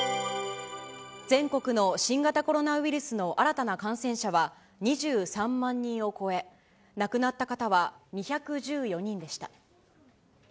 全国の新型コロナウイルスの新たな感染者は２３万人を超え、亡くなった方は２１４人でした。